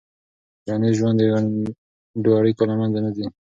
ټولنیز ژوند د ګډو اړیکو له منځه نه ځي.